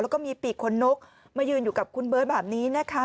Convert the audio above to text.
แล้วก็มีปีกขนนกมายืนอยู่กับคุณเบิร์ตแบบนี้นะคะ